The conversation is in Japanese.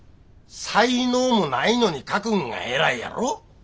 才能もないのに書くんが偉いやろ。